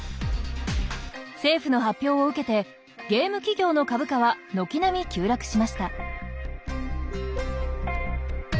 政府の発表を受けてゲーム企業の株価は軒並み急落しました。